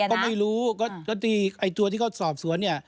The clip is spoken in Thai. ก็ไม่รู้ก็ดีไอ้ตัวที่เขาสอบสวนเนี่ย